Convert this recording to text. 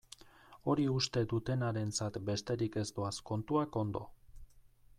Hori uste dutenarentzat besterik ez doaz kontuak ondo.